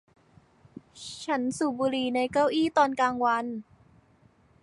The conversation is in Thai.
ฉันสูบบุหรี่ในเก้าอี้ตอนกลางวัน